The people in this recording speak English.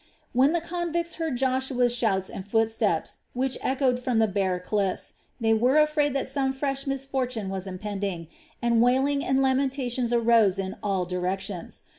When the convicts heard Joshua's shouts and footsteps, which echoed from the bare cliffs, they were afraid that some fresh misfortune was impending, and wailing and lamentations arose in all directions.